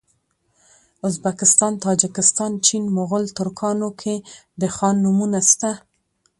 ازبکستان تاجکستان چین مغول ترکانو کي د خان نومونه سته